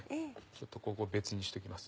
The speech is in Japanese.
ちょっとここ別にしておきます。